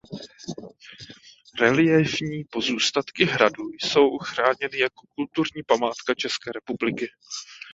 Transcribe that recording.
Reliéfní pozůstatky hradu jsou chráněny jako kulturní památka České republiky.